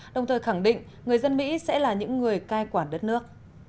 đồng thời khẳng định người dân mỹ sẽ là những người cai quản đất nước